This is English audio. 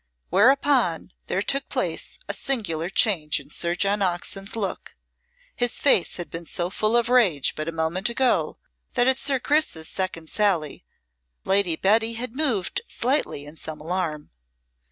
Whereupon there took place a singular change in Sir John Oxon's look. His face had been so full of rage but a moment ago that, at Sir Chris's second sally, Lady Betty had moved slightly in some alarm.